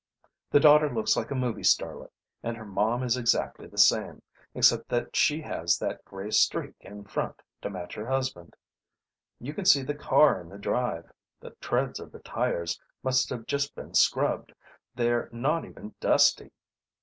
The daughter looks like a movie starlet, and her mom is exactly the same, except that she has that grey streak in front to match her husband. You can see the car in the drive; the treads of the tires must have just been scrubbed; they're not even dusty.